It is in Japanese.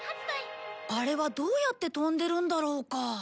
あれはどうやって飛んでるんだろうか？